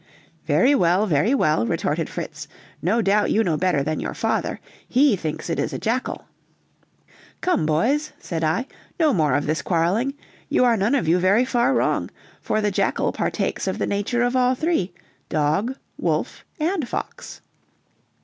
"Very well, very well," retorted Fritz, "no doubt you know better than your father! He thinks it is a jackal." "Come, boys," said I, "no more of this quarreling; you are none of you very far wrong, for the jackal partakes of the nature of all three, dog, wolf, and fox."